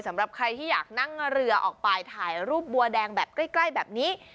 สำหรับใครที่อยากนั่งเรือออกไปถ่ายรูปบัวแดงแบบใกล้แบบนี้